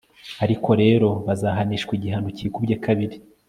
ariko rero bazahanishwa igihano kikubye kabiri